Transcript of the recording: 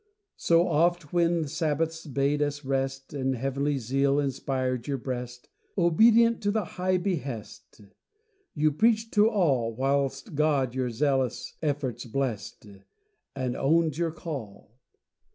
So oft when Sabbaths bade us rest, And heavenly zeal inspired your breast, Obedient to the high behest You preached to all, Whilst God your zealous efforts blessed, And owned your call.